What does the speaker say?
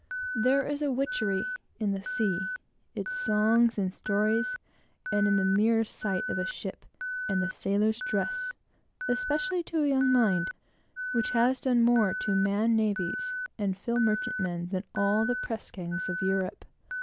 There is a witchery in the sea, its songs and stories, and in the mere sight of a ship, and the sailor's dress, especially to a young mind, which has done more to man navies, and fill merchantmen, than all the press gangs of Europe.